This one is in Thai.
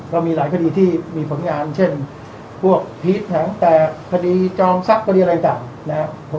ก็มีหลายคดีที่มีผลงานเช่นพวกพีชแผงแตกคดีจองทรัพย์คดีอะไรต่างนะครับ